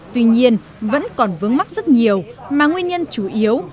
tuy nhiên vẫn còn vướng mắt rất nhiều mà nguyên nhân chủ yếu